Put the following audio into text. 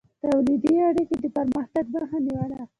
تولیدي اړیکې د پرمختګ مخه نیوله.